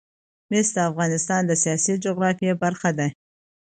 مس د افغانستان د سیاسي جغرافیه برخه ده.